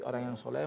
orang yang soleh